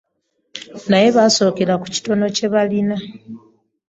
Naye basookere ku kitono kye balina.